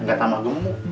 gak tambah gemuk